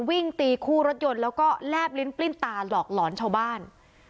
วิ่งตีคู่รถยนต์แล้วก็แลบลิ้นปลิ้นตาหลอกหลอนชาวบ้าน